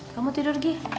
kamu tidur gi